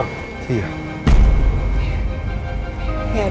sampai jumpa lagi